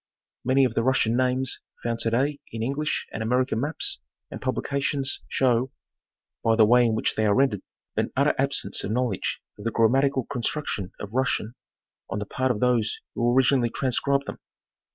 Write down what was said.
Many of the Russian names found to day in English and American maps and publica tions show, by the way in which they are rendered, an utter. absence of knowledge of the grammatical construction of Russian on the part of those who originally transcribed them.